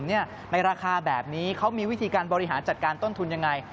ในราคาแบบนี้เขามีวิธีการบริหารจัดการต้นทุนยังไง